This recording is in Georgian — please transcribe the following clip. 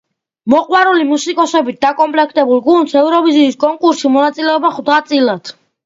მოყვარული მუსიკოსებით დაკოპლექტებულ გუნდს ევროვიზიის კონკურსში მონაწილეობა ხვდა წილად.